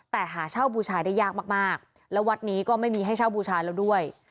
แต่หาเช่าบูชาได้ยากมากแล้ววัดนี้ก็ไม่มีให้เช่าบูชาแล้วด้วย